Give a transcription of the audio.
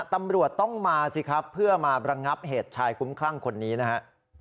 ตำรวจต้องมาสิครับเพื่อมาระงับเหตุชายคุ้มคลั่งคนนี้นะฮะ